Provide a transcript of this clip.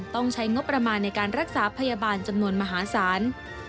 ต้องใช้งบประมาณในการรักษาพยาบาลจำนวนมหาศาล